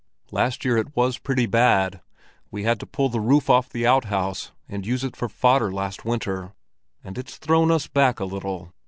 "Last year it was pretty bad. We had to pull the roof off the outhouse, and use it for fodder last winter; and it's thrown us back a little.